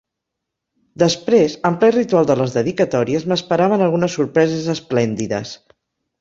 Després, en ple ritual de les dedicatòries, m'esperaven algunes sorpreses esplèndides.